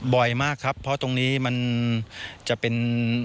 บ่อยมากครับเพราะตรงนี้มันจะเป็น